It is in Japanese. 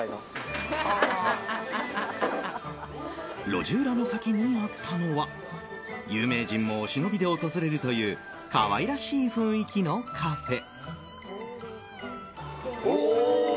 路地裏の先にあったのは有名人もお忍びで訪れるという可愛らしい雰囲気のカフェ。